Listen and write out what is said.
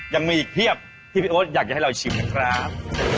ยังมีอีกเพียบที่พี่โอ๊ตอยากจะให้เราชิมนะครับ